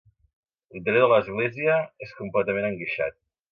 L'interior de l'església és completament enguixat.